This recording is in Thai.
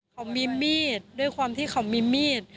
เขามีมีดด้วยความที่เขามีมีด